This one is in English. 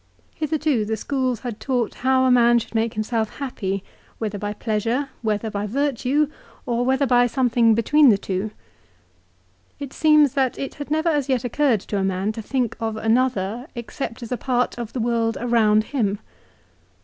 Hitherto the schools had taught how a man should make himself happy, whether by pleasure, whether by virtue, or whether by something between the two. It seems that it had never as yet occurred to a man to think 'of another except as a part of the world around him.